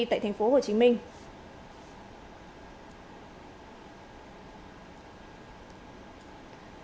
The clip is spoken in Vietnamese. tại thành phố hồ chí minh